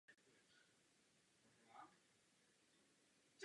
Na západní straně začíná zcela rovinatá a zemědělsky využívaná krajina.